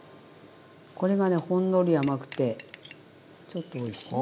これがねほんのり甘くてちょっとおいしい。